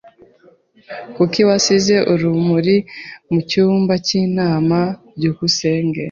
Kuki wasize urumuri mucyumba cy'inama? byukusenge